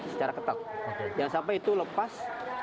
secara ketat jangan sampai itu lepas